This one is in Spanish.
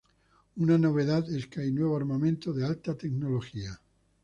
Una novedad es que hay nuevo armamento de alta tecnología.